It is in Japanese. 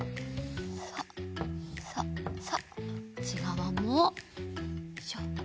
こっちがわもよいしょ。